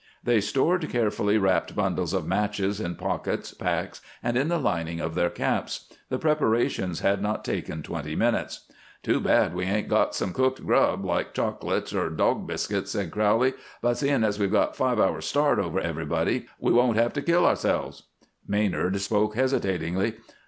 They stored carefully wrapped bundles of matches in pockets, packs, and in the lining of their caps. The preparations had not taken twenty minutes. "Too bad we ain't got some cooked grub, like chocolate or dog biscuits," said Crowley, "but seeing as we've got five hours' start over everybody we won't have to kill ourselves." Maynard spoke hesitatingly.